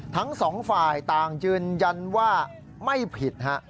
ทั้งสองฝ่ายต่างยืนยันว่าไม่ผิดฮะ